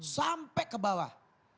sampai ke bawah